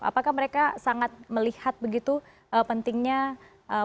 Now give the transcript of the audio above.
apakah mereka sangat melihat begitu pentingnya